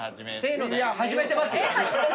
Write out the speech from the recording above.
いや始めてますよ。